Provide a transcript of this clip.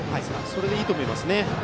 それでいいと思います。